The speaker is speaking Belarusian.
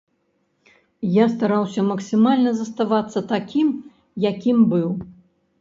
Я стараўся максімальна заставацца такім, якім быў.